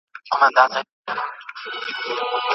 ایا د ننګرهار د بټي کوټ ولسوالۍ د نارنجو باغونه لیدلي؟